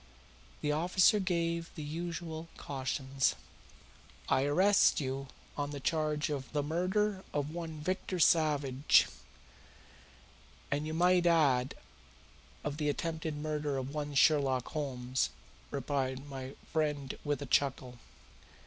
The officer gave the usual cautions. "I arrest you on the charge of the murder of one Victor Savage," he concluded. "And you might add of the attempted murder of one Sherlock Holmes," remarked my friend with a chuckle.